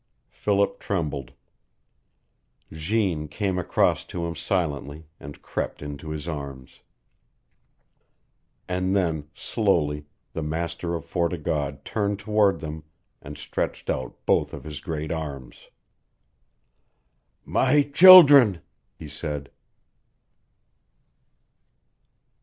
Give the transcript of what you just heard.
Philip trembled. Jeanne came across to him silently, and crept into his arms. And then, slowly, the master of Fort o' God turned toward them and stretched out both of his great arms. "My children!" he said.